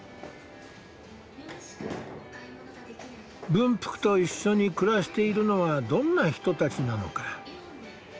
文福と一緒に暮らしているのはどんな人たちなのか。